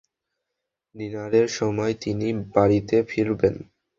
ডিনারের সময় তিনি বাড়িতে ফিরবেন।